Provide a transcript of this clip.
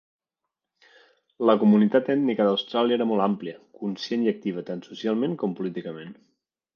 La comunitat ètnica d'Austràlia era molt àmplia, conscient i activa tant socialment com políticament.